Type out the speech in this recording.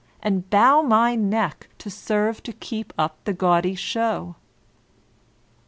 and bow my neck to serve to keep up the gaudy show?